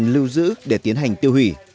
xuất xứ để tiến hành tiêu hủy